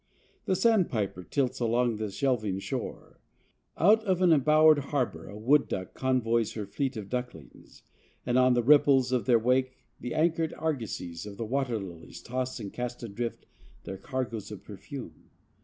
The sandpiper tilts along the shelving shore. Out of an embowered harbor a wood duck convoys her fleet of ducklings, and on the ripples of their wake the anchored argosies of the water lilies toss and cast adrift their cargoes of perfume.